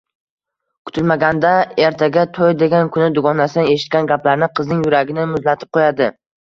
Kutilmaganda, Ertaga to`y degan kuni dugonasidan eshitgan gaplari qizning yuragini muzlatib qo`yadi